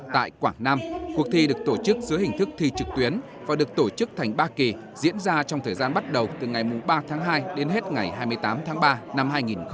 tại quảng nam cuộc thi được tổ chức dưới hình thức thi trực tuyến và được tổ chức thành ba kỳ diễn ra trong thời gian bắt đầu từ ngày ba tháng hai đến hết ngày hai mươi tám tháng ba năm hai nghìn hai mươi